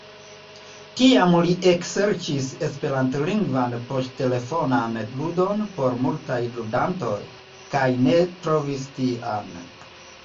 Tiam li ekserĉis esperantlingvan poŝtelefonan ludon por multaj ludantoj, kaj ne trovis tian.